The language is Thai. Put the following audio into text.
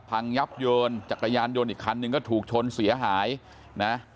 พังยับเยินจักรยานยนต์อีกคันหนึ่งก็ถูกชนเสียหายนะ